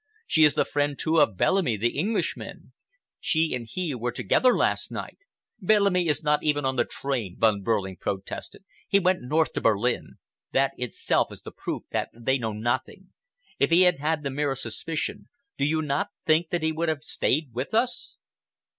She is the friend, too, of Bellamy, the Englishman. She and he were together last night." "Bellamy is not even on the train," Von Behrling protested. "He went north to Berlin. That itself is the proof that they know nothing. If he had had the merest suspicion, do you not think that he would have stayed with us?"